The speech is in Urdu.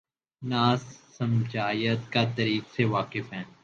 نہ سماجیات کا" تاریخ سے واقف ہیں۔